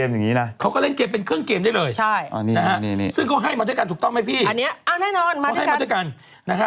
มันก็จะเป็นเครื่องเกมเลยนะ